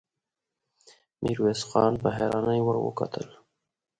ميرويس خان په حيرانۍ ور وکتل.